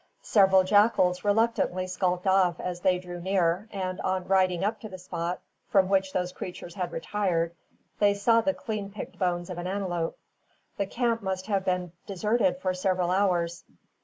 Several jackals reluctantly skulked off as they drew near and on riding up to the spot from which those creatures had retired, they saw the clean picked bones of an antelope. The camp must have been deserted for several hours.